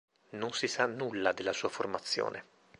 Non si sa nulla della sua formazione.